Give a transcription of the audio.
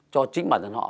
cho chính bản dân họ